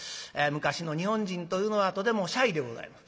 昔の日本人というのはとてもシャイでございます。